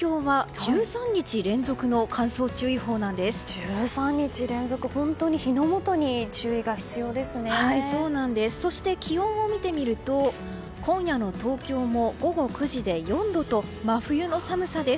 １３日連続、本当に火の元にそして、気温を見てみると今夜の東京も、午後９時で４度と真冬の寒さです。